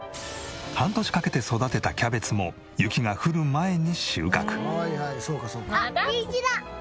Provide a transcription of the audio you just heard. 半年かけて育てたキャベツも雪が降る前に収穫。